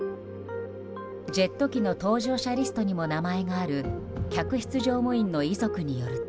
ジェット機の搭乗者リストにも名前がある客室乗務員の遺族によると。